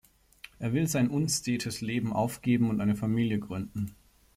Er will sein unstetes Leben aufgeben und eine Familie gründen.